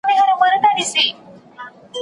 لښتې په خپل زړه کې د خپلې برخې دعا وکړه.